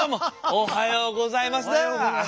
おはようございます。